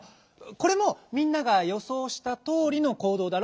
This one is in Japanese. これもみんながよそうしたとおりのこうどうだろ？